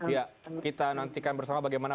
ya kita nantikan bersama bagaimana